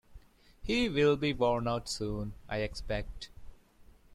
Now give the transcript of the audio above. He will be worn out soon, I expect.